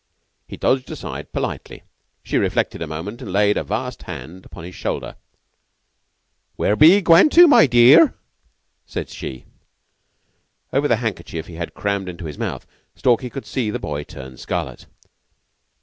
He dodged aside politely. She reflected a moment, and laid a vast hand upon his shoulder. "Where be 'ee gwaine tu, my dearr?" said she. Over the handkerchief he had crammed into his mouth Stalky could see the boy turn scarlet.